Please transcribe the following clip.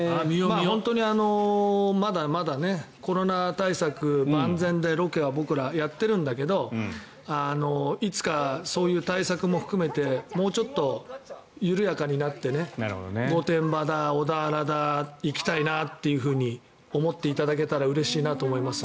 本当にまだまだコロナ対策も万全でロケは僕らやってるんだけどいつかそういう対策も含めてもうちょっと緩やかになって御殿場だ小田原だ行きたいなというふうに思っていただけたらうれしいなと思います。